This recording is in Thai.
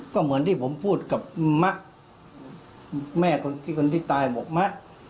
ก็เหมือนที่ผมพูดกับมะแม่คนที่คนที่ตายบอกมะ